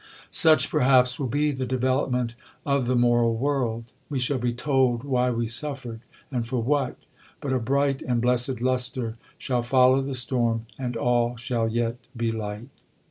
Such, perhaps, will be the developement of the moral world. We shall be told why we suffered, and for what; but a bright and blessed lustre shall follow the storm, and all shall yet be light.